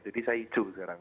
jadi saya hijau sekarang